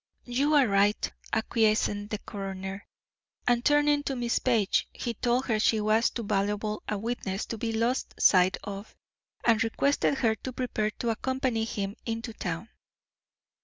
"You are right," acquiesced the coroner, and turning to Miss Page, he told her she was too valuable a witness to be lost sight of, and requested her to prepare to accompany him into town.